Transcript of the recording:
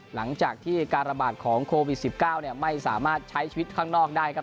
หลังจากที่การระบาดของโควิด๑๙ไม่สามารถใช้ชีวิตข้างนอกได้ครับ